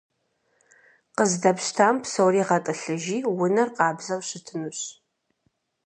Къыздэпщтам псори гъэтӏылъыжи, унэр къабзэу щытынущ.